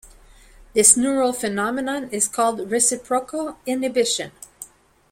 This neural phenomenon is called reciprocal inhibition.